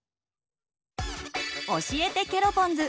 教えてケロポンズ！